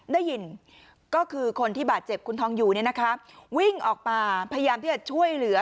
ได้ยินก็คือคนที่บาดเจ็บคุณทองอยู่วิ่งออกมาพยายามที่จะช่วยเหลือ